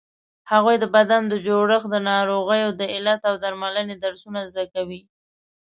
هغوی د بدن د جوړښت، د ناروغیو د علت او درملنې درسونه زده کوي.